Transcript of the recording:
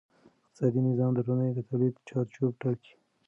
اقتصادي نظام د ټولنې د تولید چارچوب ټاکي.